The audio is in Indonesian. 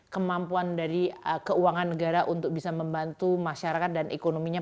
kemampuan dari keuangan negara untuk bisa membantu masyarakat dan ekonominya